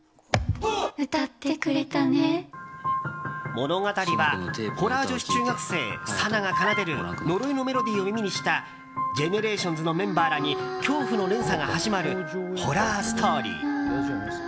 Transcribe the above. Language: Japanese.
物語は、ホラー女子中学生さなが奏でる呪いのメロディーを耳にしたＧＥＮＥＲＡＴＩＯＮＳのメンバーらに恐怖の連鎖が始まるホラーストーリー。